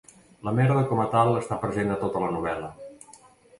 La merda com a tal està present a tota la novel·la.